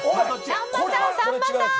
さんまさん、さんまさん。